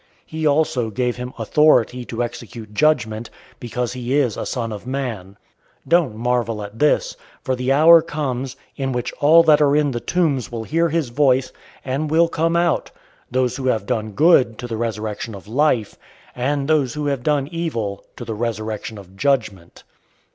005:027 He also gave him authority to execute judgment, because he is a son of man. 005:028 Don't marvel at this, for the hour comes, in which all that are in the tombs will hear his voice, 005:029 and will come out; those who have done good, to the resurrection of life; and those who have done evil, to the resurrection of judgment.